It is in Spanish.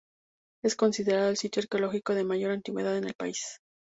Es considerado el sitio arqueológico de mayor antigüedad en el pis.